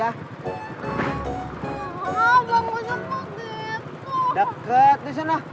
ah bangun semua deh